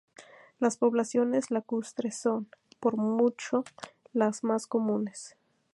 Las poblaciones lacustres son, por mucho, las más comunes.